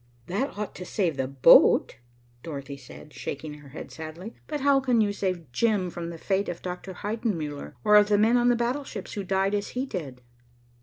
"That ought to save the boat," said Dorothy, shaking her head sadly, "but how can you save Jim from the fate of Dr. Heidenmuller, or of the men on the battleships who died as he did?"